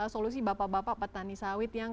solusi bapak bapak petani sawit yang